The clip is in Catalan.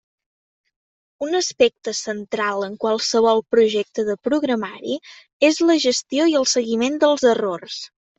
Un aspecte central en qualsevol projecte de programari és la gestió i el seguiment dels errors.